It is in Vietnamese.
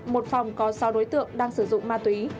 một phòng có sáu đối tượng đang sử dụng ma túy